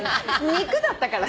肉だったから。